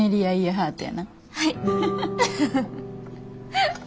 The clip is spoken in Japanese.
はい。